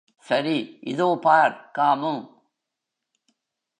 சரி இதோ பார் காமு!